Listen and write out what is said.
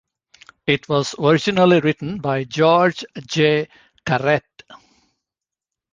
It was originally written by George J. Carrette.